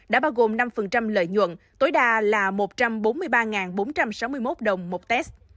đã bao gồm năm lợi nhuận tối đa là một trăm bốn mươi ba bốn trăm sáu mươi một đồng một test